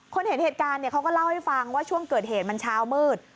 เห็นเหตุการณ์เขาก็เล่าให้ฟังว่าช่วงเกิดเหตุมันเช้ามืด